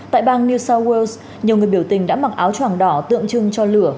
tại bang new south wales nhiều người biểu tình đã mặc áo tràng đỏ tượng trưng cho lửa